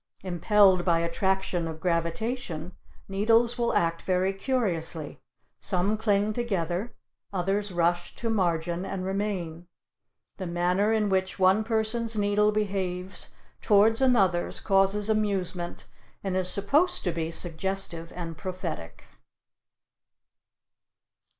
Impelled by attraction of gravitation, needles will act very curiously; some cling together, others rush to margin and remain. The manner in which one person's needle behaves towards another's causes amusement, and is supposed to be suggestive and prophetic.